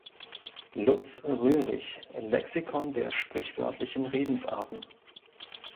Lutz Röhrich, "Lexikon der sprichwörtlichen Redensarten".